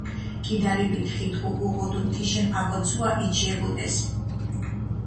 კიდალეფი თხითხუ უღუდუნ თიშენ აკოცუა, იჩიებუდეს.